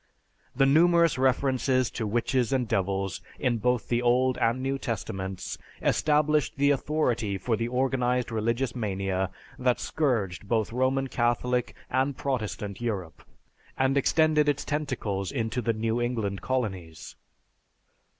The numerous references to witches and devils in both the Old and New Testaments established the authority for the organized religious mania that scourged both Roman Catholic and Protestant Europe, and extended its tentacles into the New England colonies.